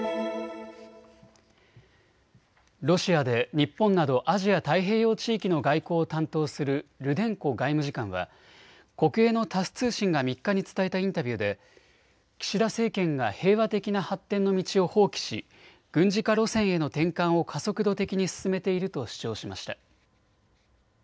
ロシアで日本などアジア太平洋地域の外交を担当するルデンコ外務次官は国営のタス通信が３日に伝えたインタビューで岸田政権が平和的な発展の道を放棄し、軍事化路線への転換を加速度的に進めていると主張しました。